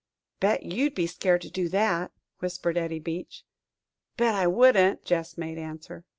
"Bet you'd be scared to do that," whispered Eddie Beach. "Bet I wouldn't," Gess made answer.